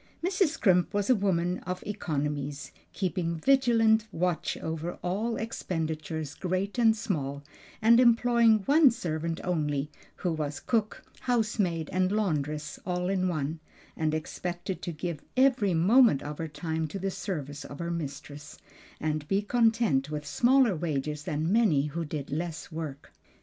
Mrs. Scrimp was a woman of economies, keeping vigilant watch over all expenditures, great and small, and employing one servant only, who was cook, housemaid, and laundress all in one, and expected to give every moment of her time to the service of her mistress, and be content with smaller wages than many who did less work.